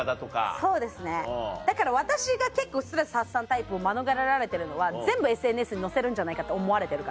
そうですねだから私が結構ストレス発散タイプを免れられてるのは全部ＳＮＳに載せるんじゃないかと思われてるから。